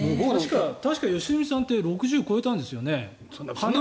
確か良純さんで６０歳超えたんですよね？